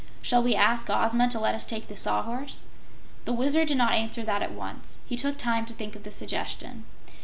"Shall we ask Ozma to let us take the Sawhorse?" The Wizard did not answer that at once. He took time to think of the suggestion.